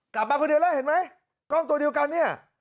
กลับมาคนเดียวแล้วเห็นไหมกล้องตัวเดียวกันเนี่ย